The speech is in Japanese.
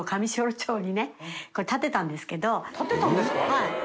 はい。